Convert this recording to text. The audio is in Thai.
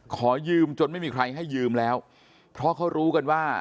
ขอยืมจนไม่มีใครให้ยืมแล้วเพราะเขารู้กันว่า